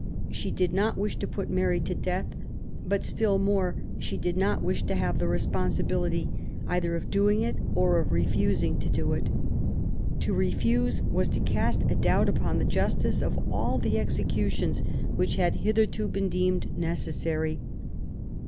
She did not wish to put Mary to death ; but still more she did not wish to THE CRISIS. 229 have the responsibility either of doing it or of re fusing to do it. To refuse was to cast a doubt upon the justice of all the executions which had hitherto been deemed necessary.